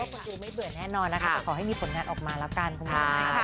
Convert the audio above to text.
คุณครูไม่เบื่อแน่นอนนะคะแต่ขอให้มีผลงานออกมาแล้วกันคุณผู้ชม